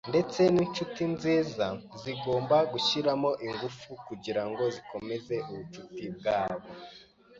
Ndetse n'inshuti nziza zigomba gushyiramo ingufu kugirango zikomeze ubucuti bwabo.